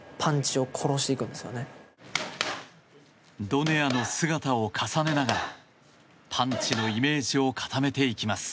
ドネアの姿を重ねながらパンチのイメージを固めていきます。